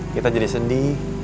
kita jadi sendi